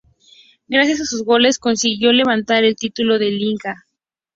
Gracias a sus goles consiguió levantar el título de liga.